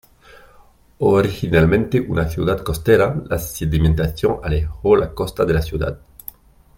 Originalmente una ciudad costera, la sedimentación alejó la costa de la ciudad.